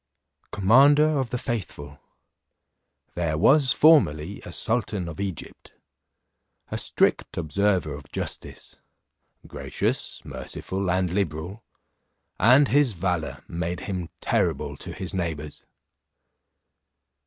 Commander of the faithful, there was formerly a sultan of Egypt, a strict observer of justice, gracious, merciful, and liberal, and his valour made him terrible to his neighbours.